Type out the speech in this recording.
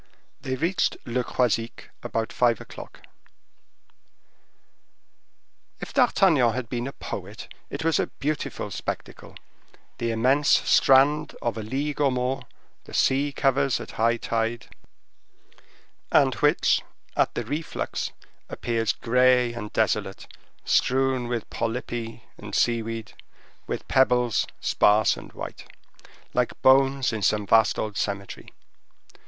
They reached Le Croisic about five o'clock. If D'Artagnan had been a poet, it was a beautiful spectacle: the immense strand of a league or more, the sea covers at high tide, and which, at the reflux, appears gray and desolate, strewed with polypi and seaweed, with pebbles sparse and white, like bones in some vast old cemetery.